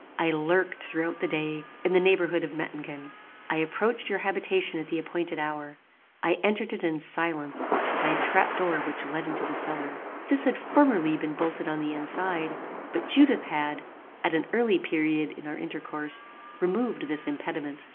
"I lurked, through the day, in the neighbourhood of Mettingen: I approached your habitation at the appointed hour: I entered it in silence, by a trap door which led into the cellar. This had formerly been bolted on the inside, but Judith had, at an early period in our intercourse, removed this impediment.